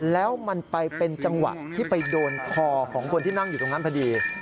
แล้วมันไปเป็นจังหวะที่ไปโดนคอของคนที่นั่งอยู่ตรงนั้นพอดี